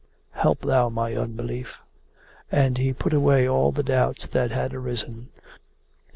Help thou my unbelief!' and he put away all the doubts that had arisen.